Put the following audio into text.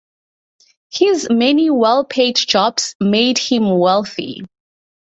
His many well paid jobs made him wealthy.